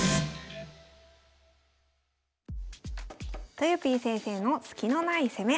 とよぴー先生のスキのない攻め。